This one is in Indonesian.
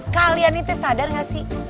kalian itu sadar gak sih